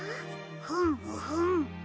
ふんふん。